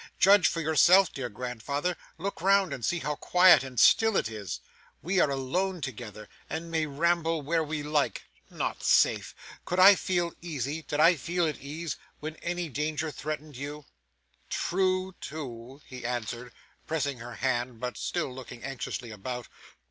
'Judge for yourself, dear grandfather: look round, and see how quiet and still it is. We are alone together, and may ramble where we like. Not safe! Could I feel easy did I feel at ease when any danger threatened you?' 'True, too,' he answered, pressing her hand, but still looking anxiously about.